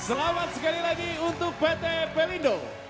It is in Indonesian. selamat sekali lagi untuk pt pelindo